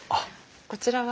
こちらは。